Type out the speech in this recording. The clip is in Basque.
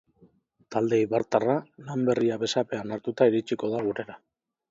Talde eibartarra lan berria besapean hartuta iritsiko da gurera.